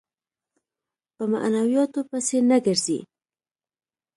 په معنوياتو پسې نه ګرځي.